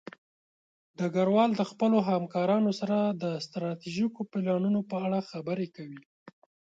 ډګروال د خپلو همکارانو سره د ستراتیژیکو پلانونو په اړه خبرې کوي.